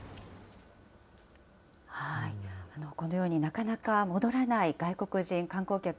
このように、なかなか戻らない外国人観光客。